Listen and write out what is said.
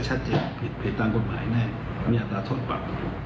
ชัดเจนผิดตามกฎหมายแน่มีอัตราโทษปรับ